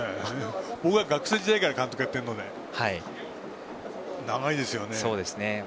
僕が学生時代から監督をやっているので長いです。